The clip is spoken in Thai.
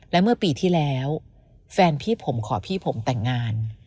และเมื่อปีที่แล้วแฟนพี่ผมขอพี่ผมแต่งงาน